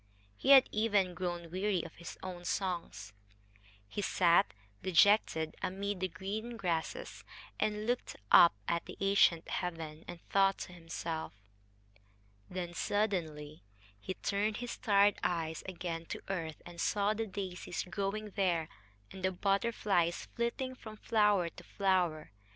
He had even grown weary of his own songs. He sat, dejected, amid the green grasses, and looked up at the ancient heaven and thought to himself. Then suddenly he turned his tired eyes again to earth, and saw the daisies growing there, and the butterflies flitting from flower to flower.